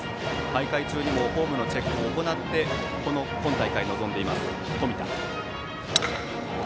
大会中にもフォームのチェックを行って今大会に臨んでいます、冨田。